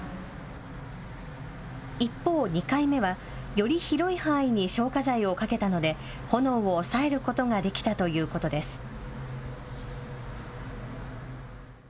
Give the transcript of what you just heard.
一方、２回目はより広い範囲に消火剤をかけたので炎を抑えることができたということです。